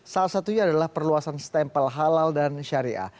salah satunya adalah perluasan stempel halal dan syariah